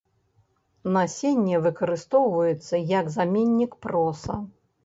Насенне выкарыстоўваецца як заменнік проса.